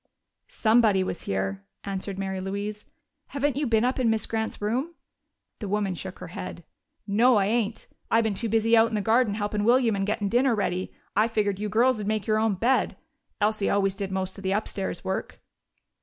"Somebody was here," answered Mary Louise. "Haven't you been up in Miss Grant's room?" The woman shook her head. "No, I ain't. I've been too busy out in the garden helpin' William and gettin' dinner ready. I figured you girls'd make your own bed. Elsie always did most of the upstairs work."